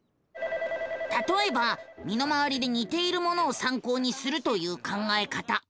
たとえば身の回りでにているものをさんこうにするという考え方。